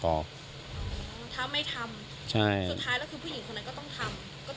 ถ้าไม่ทำสุดท้ายแล้วคือผู้หญิงของนั้นก็ต้องทำ